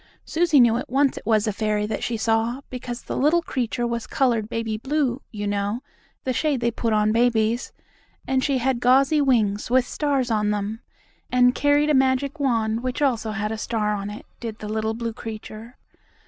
Susie knew at once it was a fairy that she saw because the little creature was colored baby blue, you know, the shade they put on babies, and she had gauzy wings, with stars on them, and carried a magic wand which also had a star on it, did the little blue creature.